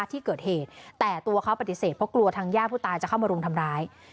ที่เกิดเหตุแต่ตัวเขาปฏิเสธเพราะกลัวทางย่าผู้ตายจะเข้ามารุมทำร้าย